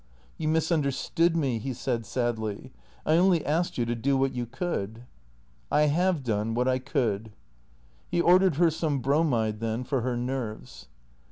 " You misunderstood me," he said sadly. " I only asked you to do what you could." " I have done what I could." He ordered her some bromide then, for her nerves.